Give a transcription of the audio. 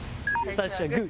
最初はグー！